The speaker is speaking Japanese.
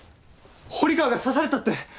堀川が刺されたって！